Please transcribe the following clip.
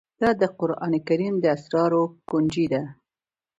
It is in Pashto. دا د قرآن کريم د اسرارو كونجي ده